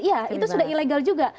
iya itu sudah ilegal juga